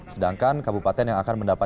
sedangkan kabupaten yang akan mendapatkan